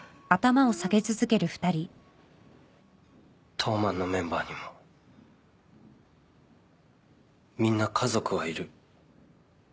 東卍のメンバーにもみんな家族はいる。